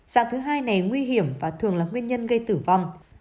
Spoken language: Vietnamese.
dạng thứ hai này nguy hiểm và thường là nguyên nhân gây tử vong